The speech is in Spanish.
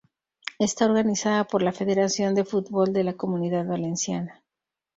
Está organizada por la Federación de Fútbol de la Comunidad Valenciana.